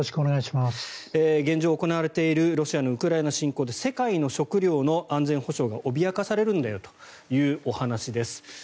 現状行われているロシアのウクライナ侵攻で世界の食料の安全保障が脅かされるんだというお話です。